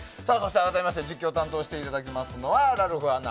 改めまして、実況を担当していただきますのはラルフアナ。